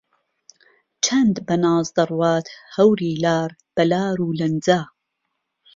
چەند بە ناز دەڕوات هەوری لار بە لارو لەنجە